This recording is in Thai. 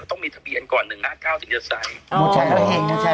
ก็ต้องมีทะเบียนก่อน๑๕๙ติดเจอร์ไซค์